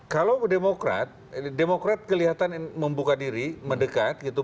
kalau demokrat demokrat kelihatan membuka diri mendekat gitu